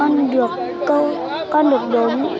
hôm nay con được đối mũi